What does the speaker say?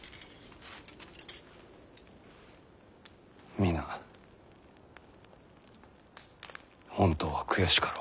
皆本当は悔しかろう。